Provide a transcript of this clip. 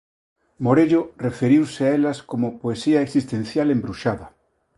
Morello referiuse a elas como "poesía existencial embruxada".